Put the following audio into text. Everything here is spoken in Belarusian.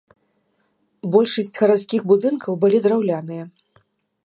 Большасць гарадскіх будынкаў былі драўляныя.